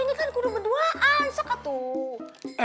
ini kan kudu berduaan sok atuh